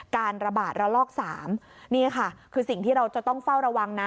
การระบาดระลอก๓นี่ค่ะคือสิ่งที่เราจะต้องเฝ้าระวังนะ